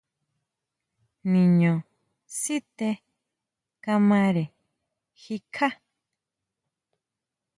Niño sité kamare jikjá.